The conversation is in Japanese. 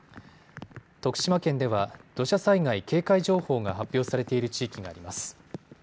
徳島県では土砂災害警戒情報が発表されている地域があります。